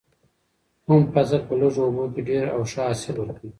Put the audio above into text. کوم فصل په لږو اوبو کې ډیر او ښه حاصل ورکوي؟